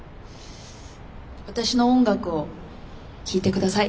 私の音楽を聴いて下さい。